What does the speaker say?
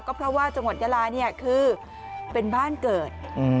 ก็เพราะว่าจังหวัดยาลาเนี่ยคือเป็นบ้านเกิด